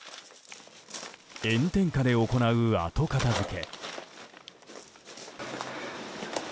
炎天下で行う後片付け。